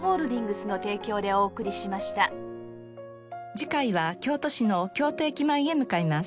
次回は京都市の京都駅前へ向かいます。